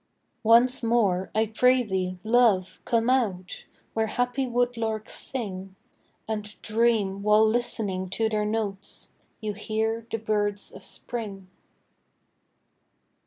Once more, I pray thee, love, come out, Where happy woodlarks sing, And dream, while listening to their notes, You hear the birds of Spring.